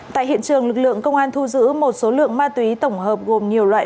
tại hiện trường lực lượng công an thu giữ một số lượng ma túy tổng hợp gồm nhiều loại